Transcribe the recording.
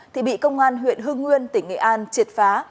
thì bị công an huyện hưng nguyên tỉnh nghệ an triệt phá